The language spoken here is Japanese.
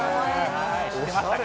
知ってましたか？